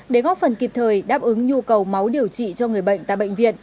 để góp phần kịp thời đáp ứng nhu cầu máu điều trị cho người bệnh tại bệnh viện